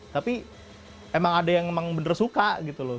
tapi emang ada yang emang bener suka gitu loh